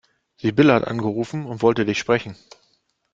Sibylle hat angerufen und wollte dich sprechen.